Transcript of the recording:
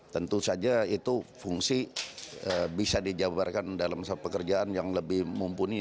tentu saja itu fungsi bisa dijabarkan dalam pekerjaan yang lebih mumpuni